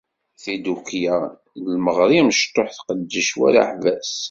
Tidukkla Imeɣri amecṭuḥ tqeddec war aḥbas.